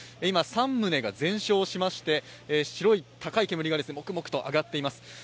今３棟が全焼しまして白い高い煙がもくもくと上がっています。